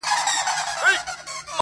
تشه له سرو میو شنه پیاله به وي-